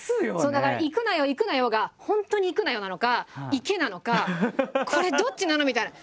だから「いくなよいくなよ」が「本当にいくなよ」なのか「いけ」なのかこれどっちなの？みたいな。